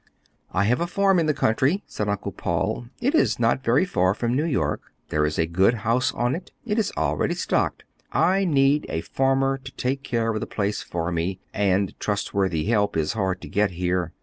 "I have a farm in the country," said Uncle Paul. "It is not very far from New York. There is a good house on it; it is already stocked. I need a farmer to take care of the place for me, and trustworthy help is hard to get here.